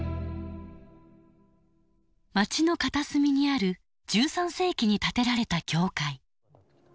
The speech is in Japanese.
街の片隅にある１３世紀に建てられた教会。